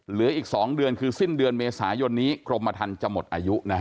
เหลืออีก๒เดือนคือสิ้นเดือนเมษายนนี้กรมทันจะหมดอายุ